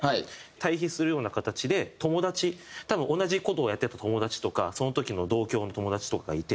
対比するような形で友達多分同じ事をやってた友達とかその時の同郷の友達とかがいて。